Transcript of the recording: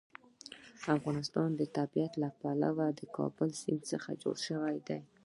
د افغانستان طبیعت له د کابل سیند څخه جوړ شوی دی.